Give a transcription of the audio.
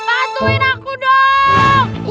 bantuin aku dong